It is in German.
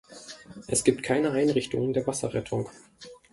Es gibt keine Einrichtungen der Wasserrettung.